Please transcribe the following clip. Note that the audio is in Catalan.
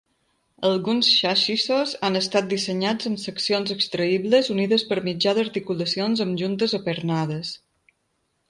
Alguns xassissos han estat dissenyats amb seccions extraïbles, unides per mitjà d"articulacions amb juntes apernades.